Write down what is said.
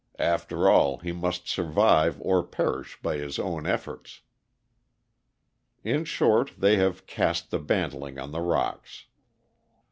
After all, he must survive or perish by his own efforts. In short, they have "cast the bantling on the rocks."